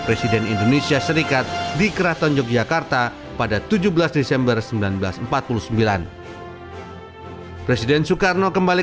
presiden indonesia serikat di keraton yogyakarta pada tujuh belas desember seribu sembilan ratus empat puluh sembilan presiden soekarno kembali